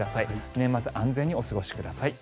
年末、安全にお過ごしください。